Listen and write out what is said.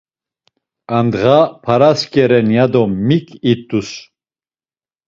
Andğa p̌arasǩe ren ya do mik it̆us?